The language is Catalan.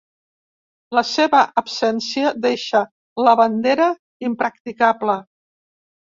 La seva absència deixa la bandera impracticable.